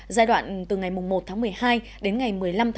giai đoạn từ ngày một một mươi hai đến ngày một mươi năm một hai nghìn hai mươi một